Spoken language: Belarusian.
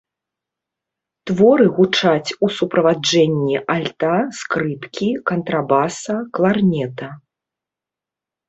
Творы гучаць у суправаджэнні альта, скрыпкі, кантрабаса, кларнета.